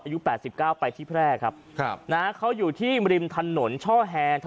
อายุแปดสิบเก้าไปที่แพร่ครับนะฮะเขาอยู่ที่ริมธนด์ช่อแหน